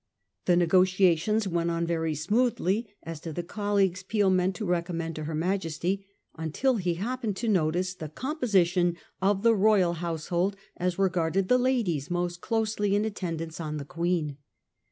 The negotiations went on very smoothly as to the colleagues Peel meant to re commend to her Majesty, until he happened to notice the composition of the royal household as regarded the ladies most closely in attendance on the Queen.